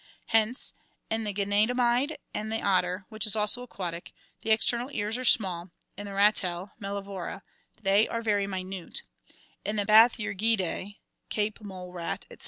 Hence in the Geomyidae and the otter, which is also aquatic, the external ears are small, in the ratel (Mellivora) they are very minute, in the Bathyergidae (Cape mole rat, etc.)